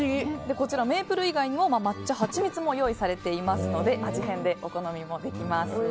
こちら、メープル以外にも抹茶、ハチミツも用意されていますので味変でお好みもできます。